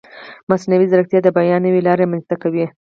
مصنوعي ځیرکتیا د بیان نوې لارې رامنځته کوي.